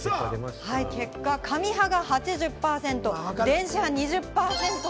結果、紙派が８０％、電子派２０％。